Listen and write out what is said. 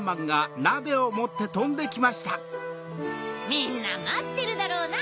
みんなまってるだろうな。